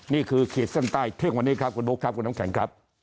นี้คือเขตสั้นใต้เท่ากันวันนี้ครับคุณโบ๊คคุณน้องแข็งครับ